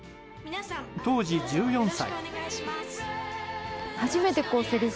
当時１４歳。